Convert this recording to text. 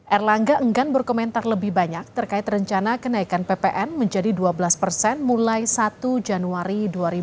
erlangga enggan berkomentar lebih banyak terkait rencana kenaikan ppn menjadi dua belas persen mulai satu januari dua ribu dua puluh